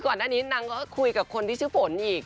ก่อนหน้านี้นางก็คุยกับคนที่ชื่อฝนอีก